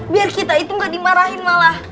biar kita itu gak dimarahin malah